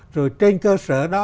rồi trên cơ sở đó